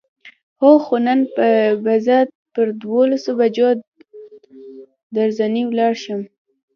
هو، خو نن به زه پر دولسو بجو درځنې ولاړ شم.